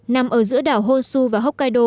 nằm ở giữa đảo honshu và hokkaido